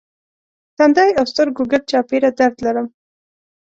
تندی او سترګو ګرد چاپېره درد لرم.